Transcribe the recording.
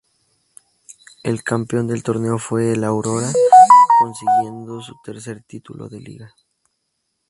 El campeón del torneo fue el Aurora, consiguiendo su tercer título de liga.